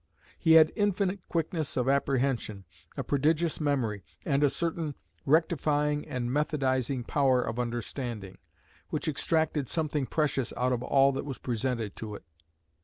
He had infinite quickness of apprehension, a prodigious memory, and a certain rectifying and methodising power of understanding, which extracted something precious out of all that was presented to it.